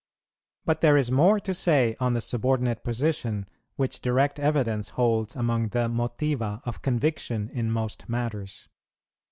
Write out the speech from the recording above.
But there is more to say on the subordinate position which direct evidence holds among the motiva of conviction in most matters.